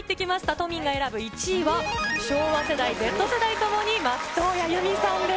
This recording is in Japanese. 都民が選ぶ１位は、昭和世代・Ｚ世代ともに松任谷由実さんです。